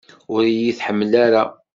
Ur iyi-tḥemmel ara?